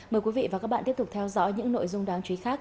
mời quý vị và các bạn tiếp tục theo dõi những nội dung đáng chú ý khác